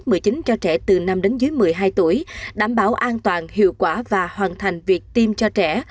cho trẻ từ năm đến dưới một mươi hai tuổi đảm bảo an toàn hiệu quả và hoàn thành việc tiêm cho trẻ